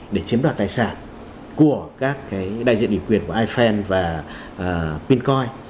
để chiếm đoạt tài sản của các cái đại diện ủy quyền của ifan và pincoin